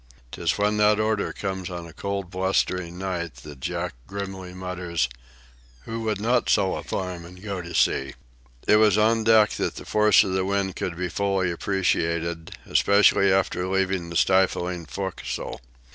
'Tis when that order comes on cold, blustering nights that "Jack" grimly mutters: "Who would not sell a farm and go to sea?" It was on deck that the force of the wind could be fully appreciated, especially after leaving the stifling fo'castle.